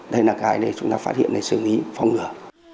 đây là cái để chúng ta phát hiện để xử lý phong ngừa